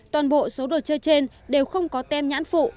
toàn bộ số đồ chơi trên đều không có tem nhãn phụ